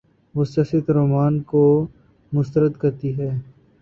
وہ سیاسی رومان کو مسترد کرتی ہے۔